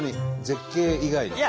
絶景以外の。